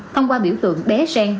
thông qua biểu tượng bé sen